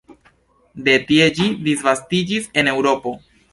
De tie ĝi disvastiĝis en Eŭropo.